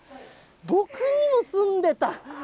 僕にも住んでた。